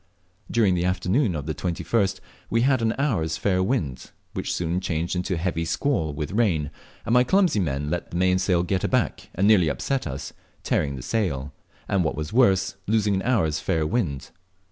During the afternoon of the 21st we had an hour's fair wind, which soon changed into a heavy squall with rain, and my clumsy men let the mainsail get taken aback and nearly upset us, tearing the sail; and, what was worse, losing an hour's fair wind.